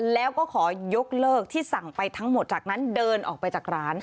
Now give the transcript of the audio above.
แล้วก็ขอยกเลิกที่สั่งไปทั้งหมดจากนั้นเดินออกไปจากร้าน